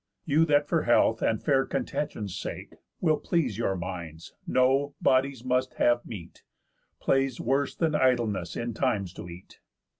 You that for health, and fair contention's sake, Will please your minds, know, bodies must have meat; _Play's worse than idleness in times to eat."